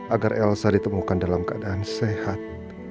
agar elsa ditemukan dalam keadaan sehat